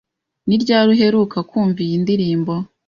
Ni ryari uheruka kumva iyi ndirimbo?